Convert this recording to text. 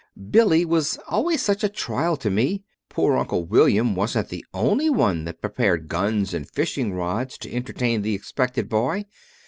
'Billy' was always such a trial to me! Poor Uncle William wasn't the only one that prepared guns and fishing rods to entertain the expected boy.